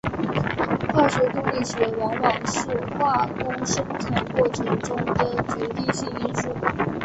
化学动力学往往是化工生产过程中的决定性因素。